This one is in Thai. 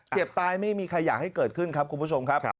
เจ็บตายไม่มีใครอยากให้เกิดขึ้นครับคุณผู้ชมครับ